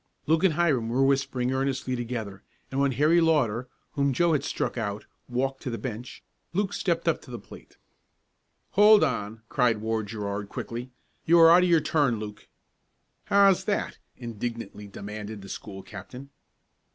Luke and Hiram were whispering earnestly together and when Harry Lauter, whom Joe had struck out walked to the bench, Luke stepped up to the plate. "Hold on!" cried Ward Gerard quickly. "You are out of your turn, Luke." "How's that?" indignantly demanded the school captain.